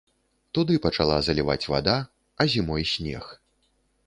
Туды пачала заліваць вада, а зімой снег.